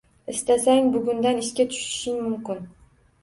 Istasang, bugundan ishga tushishing mumkin